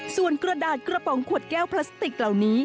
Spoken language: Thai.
ส่วนกระดาษกระป๋องขวดแก้วพลาสติกเหล่านี้